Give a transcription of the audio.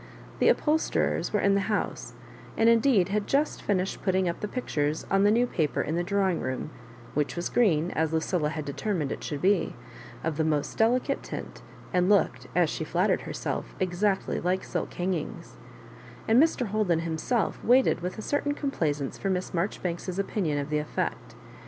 The upholsterers were in the house, and indeed had just finislied put ting up the pictures* on the new paper in the drawing room (which was green, as Lucilla had determined it should be, of the most delicate tint, and looked, as she flattered herself, exactly like silk hangings); and Mr. Holden himself waited with a certain complaisance for Miss Marjoribanks's opinion of the effect.